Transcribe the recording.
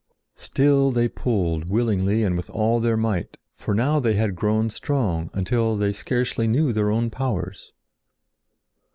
Still they pulled willingly and with all their might, for now they had grown strong until they scarcely knew their own powers.